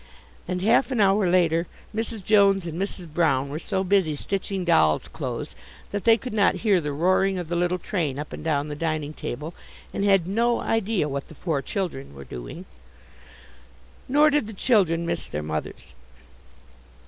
And half an hour later Mrs. Jones and Mrs. Brown were so busy stitching dolls' clothes that they could not hear the roaring of the little train up and down the dining table, and had no idea what the four children were doing. Nor did the children miss their mothers.